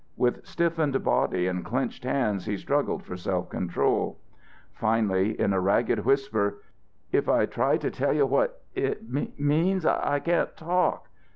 With stiffened body and clenched hands he struggled for self control. Finally in a ragged whisper, "If I try to tell you what it means I can't talk!